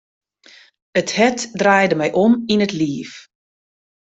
It hart draaide my om yn it liif.